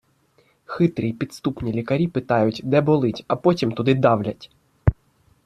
Хитрі і підступні лікарі питають де болить, а потім туди давлять